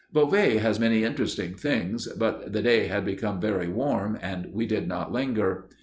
Beauvais has many interesting things, but the day had become very warm, and we did not linger.